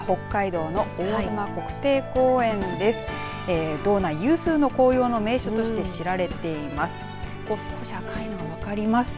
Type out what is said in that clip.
道内有数の紅葉の名所として知られています。